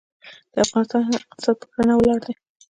د افغانستان اقتصاد په کرنه ولاړ دی.